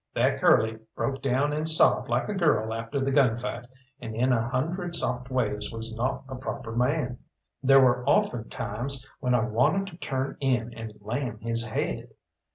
That Curly broke down and sobbed like a girl after the gun fight, and in a hundred soft ways was not a proper man. There were often times when I wanted to turn in and lam his head.